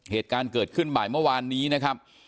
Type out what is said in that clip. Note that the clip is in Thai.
เหตุการณ์เกิดขึ้นบ่ายเมื่อวานนี้นะครับ